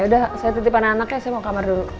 yaudah saya titip anak anak ya saya mau ke kamar dulu